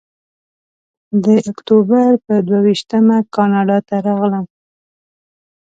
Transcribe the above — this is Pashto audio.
د اکتوبر پر دوه ویشتمه کاناډا ته راغلم.